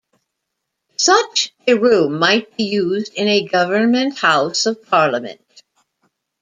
Such a room might be used in a government house of parliament.